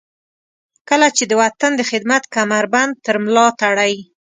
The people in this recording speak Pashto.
کله چې د وطن د خدمت کمربند تر ملاتړئ.